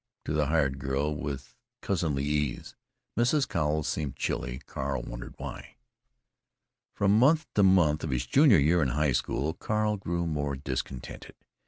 to the hired girl with cousinly ease. Mrs. Cowles seemed chilly. Carl wondered why. From month to month of his junior year in high school Carl grew more discontented.